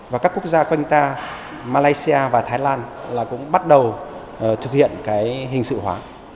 và các quốc gia quanh ta malaysia và thái lan là cũng bắt đầu thực hiện cái hình sự hóa